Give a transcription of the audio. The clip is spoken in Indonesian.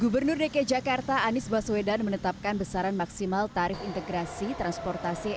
gubernur dki jakarta anies baswedan menetapkan besaran maksimal tarif integrasi transportasi